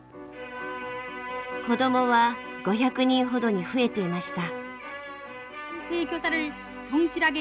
子どもは５００人ほどに増えていました。